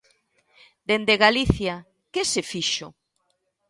Dende Galicia ¿que se fixo?